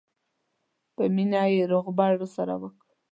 په مینه یې روغبړ راسره وکړ.